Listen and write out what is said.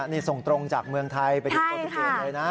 นี่ส่งตรงจากเมืองไทยไปถึงโปรตูเกตเลยนะ